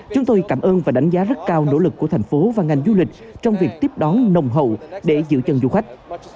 chúng tôi cảm ơn và đánh giá rất cao nỗ lực của thành phố và ngành du lịch trong việc tiếp đón nồng hậu để giữ chân du khách